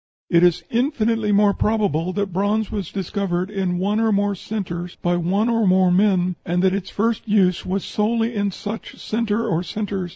It is infinitely more probable that bronze was discovered in one or more centres by one or more men, and that its first use was solely in such centre or centres.